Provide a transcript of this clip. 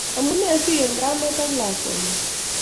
Amune siken kamet ak latwenyi